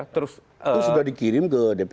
terus sudah dikirim ke dpr